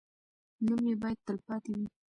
نوم یې باید تل پاتې وي.